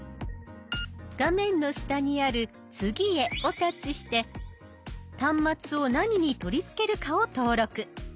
画面の下にある「次へ」をタッチして端末を何に取り付けるかを登録。